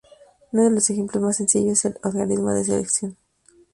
Uno de los ejemplos más sencillo es el algoritmo de selección.